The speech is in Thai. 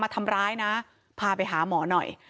ทำร้ายนะพาไปหาหมอหน่อย